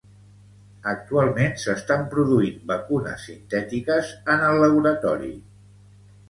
Actualment s'estan produint vacunes sintètiques en el laboratori.